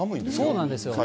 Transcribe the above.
そうなんですよ。